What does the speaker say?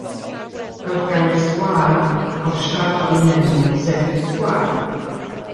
Daw'r gair sgwâr o'r siâp o'r un enw, sef y sgwâr.